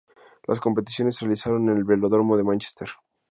Las competiciones se realizaron en el Velódromo de Mánchester.